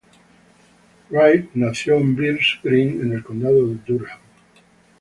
Wright nació en Byers Green en el condado de Durham.